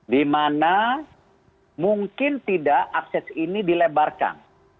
dimana mungkin tidak akses ini dilebarkan